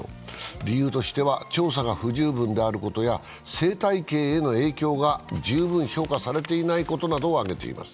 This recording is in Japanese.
理由としては、調査が不十分であることや生態系への影響が十分評価されていないことなどを挙げています。